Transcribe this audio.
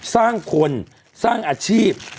สร้างคนสร้างอาชีพ